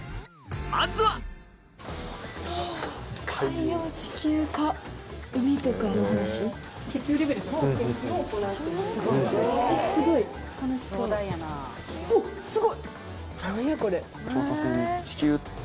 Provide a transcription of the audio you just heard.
まずはおっすごい！